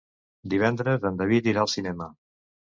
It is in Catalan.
Divendres en David irà al cinema.